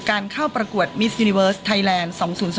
การเข้าประกวดมิสยูนิเวิร์สไทยแลนด์๒๐๒